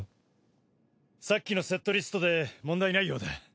さっきのセットリストで問題ないようだ。